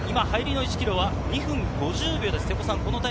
入りの１ｋｍは２分５０秒です。